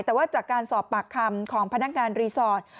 แต่ว่าจากการสอบปากคำของพนักงานรีสอร์ท